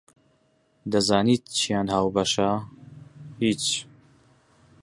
دەزانیت چیان هاوبەشە؟ هیچ!